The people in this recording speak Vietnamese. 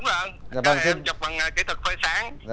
em chụp bằng kỹ thuật phơi sáng